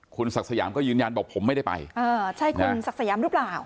คุณศักดิ์สยามก็ยืนยันบอกผมไม่ได้ไปเออใช่คุณศักดิ์สยามหรือเปล่า